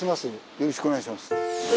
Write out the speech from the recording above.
よろしくお願いします。